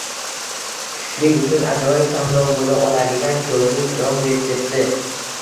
Tushlik uchun ajoyib tanlov bo‘la oladigan piyozli pirog retsepti